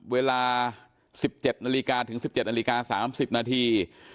เวลา๑๗นาฬิกาถึง๑๗นาฬิกา๓๐นาที